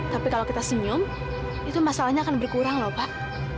tapi kalau kita senyum itu masalahnya akan berkurang loh pak